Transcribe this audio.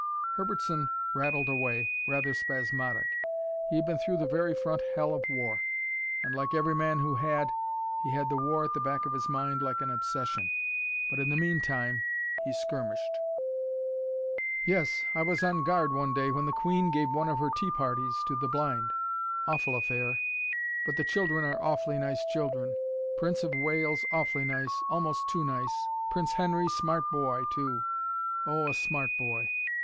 Herbertson rattled away, rather spasmodic. He had been through the very front hell of the war and like every man who had, he had the war at the back of his mind, like an obsession. But in the meantime, he skirmished. "Yes. I was on guard one day when the Queen gave one of her tea parties to the blind. Awful affair. But the children are awfully nice children. Prince of Wales awfully nice, almost too nice. Prince Henry smart boy, too oh, a smart boy.